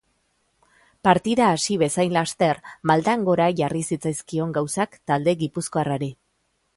Partida hasi bezain laster maldan gora jarri zitzaizkion gauzak talde gipuzkoarrari.